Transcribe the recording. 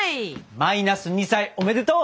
マイナス２歳おめでとう！